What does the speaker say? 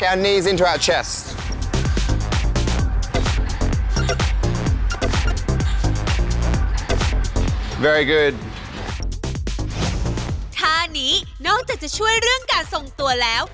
ท่านี้นอกจากช่วยการส่งตัว